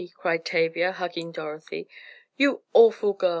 cried Tavia, hugging Dorothy. "You awful girl!